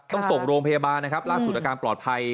ต้องส่งโรงพยาบาลนะครับล่าสุดอาการปลอดภัย